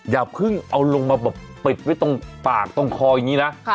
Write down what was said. อย่าเพิ่งเอาลงมาปิดตรงฟาดของของครองคอ